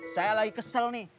saya lagi kesel nih